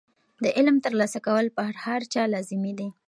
د علم ترلاسه کول په هر چا لازمي دي.